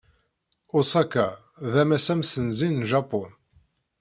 Osaka d ammas amsenzi n Japun.